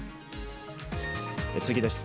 次です。